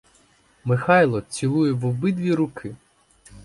Михайло, цілує в обидві руки.